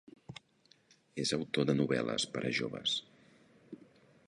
És autor de novel·les per a joves.